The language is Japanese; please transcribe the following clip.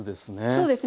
そうですね。